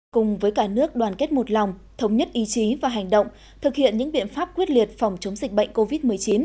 cùng với cả nước đoàn kết một lòng thống nhất ý chí và hành động thực hiện những biện pháp quyết liệt phòng chống dịch bệnh covid một mươi chín